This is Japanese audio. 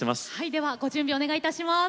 ではご準備お願いいたします。